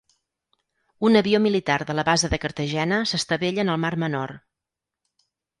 Un avió militar de la base de Cartagena s'estavella en el Mar Menor